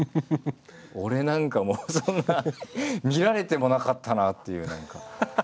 俺なんかそんな見られてもなかったなっていう。